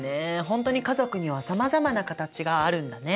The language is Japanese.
ほんとに家族にはさまざまなカタチがあるんだね。